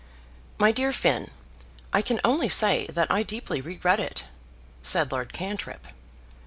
"My dear Finn, I can only say that I deeply regret it," said Lord Cantrip.